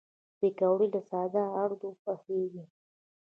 پکورې له ساده آردو پخېږي